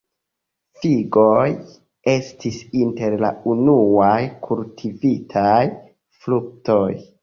Figoj estis inter la unuaj kultivitaj fruktoj.